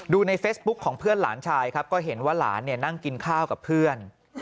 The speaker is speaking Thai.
ในเฟซบุ๊คของเพื่อนหลานชายครับก็เห็นว่าหลานนั่งกินข้าวกับเพื่อน